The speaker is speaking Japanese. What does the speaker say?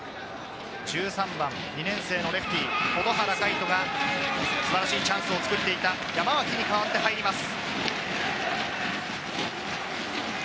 １３番、２年生のレフティ・保土原海翔が素晴らしいチャンスを作っていた山脇に代わって入ります。